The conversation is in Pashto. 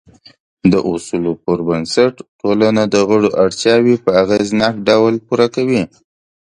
د اصولو پر بنسټ ټولنه د غړو اړتیاوې په اغېزناک ډول پوره کوي.